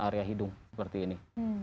area hidung seperti ini